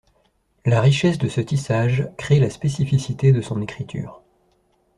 La richesse de ce tissage crée la spécificité de son écriture.